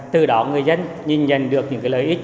từ đó người dân nhìn nhận được những lợi ích